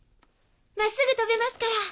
真っすぐ飛べますから。